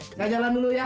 saya jalan dulu ya